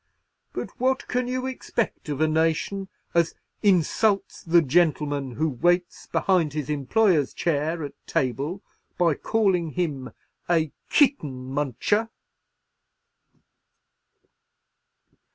But what can you expect of a nation as insults the gentleman who waits behind his employer's chair at table by callin' him a kitten muncher?"